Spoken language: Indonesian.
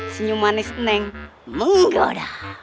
senyumanis neng menggoda